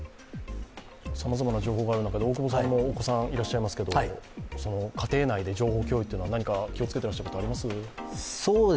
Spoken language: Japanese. さまざまな情報がある中で大久保さんもお子さんいらっしゃいますけど、家庭内で情報共有というのは、何か気をつけていらっしゃることはありますか。